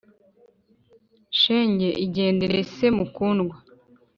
Shenge igendere se mukundwa